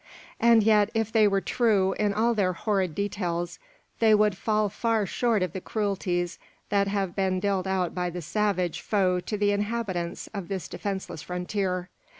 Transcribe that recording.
"And yet, if they were true in all their horrid details, they would fall far short of the cruelties that have been dealt out by the savage foe to the inhabitants of this defenceless frontier.